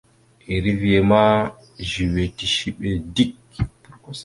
Eriveya ma zʉwe tishiɓe dik.